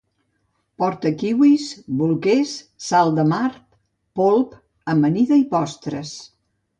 Portau kiwis, bolquers, sal de mar, polp, amanida i postres